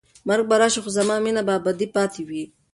مرګ به راشي خو زما مینه به ابدي پاتې وي.